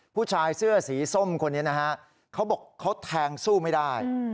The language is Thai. ผู้ชายเสื้อสีส้มคนนี้นะฮะเขาบอกเขาแทงสู้ไม่ได้